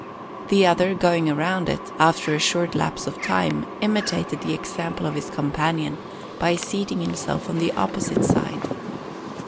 The other, going round it, after a short lapse of time, imitated the example of his companion by seating himself on the opposite side.